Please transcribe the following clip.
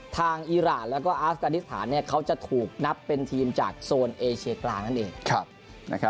ทางอิราตและก็อฝิการิสตาลเขาจะถูกนับเป็นทีมจากโซนเอเชเกลานั่นเอง